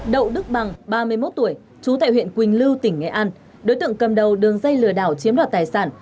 đậu đức bằng ba mươi một tuổi trú tại huyện quỳnh lưu tỉnh nghệ an đối tượng cầm đầu đường dây lừa đảo chiếm đoạt tài sản